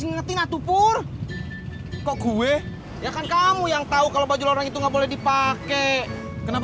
ingetin atuh pur kok gue ya kan kamu yang tahu kalau baju loreng itu nggak boleh dipakai kenapa